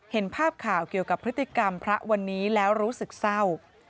เห็นภาพข่าวเกี่ยวกับพฤติกรรมพระวันนี้แล้วรู้สึกเศร้า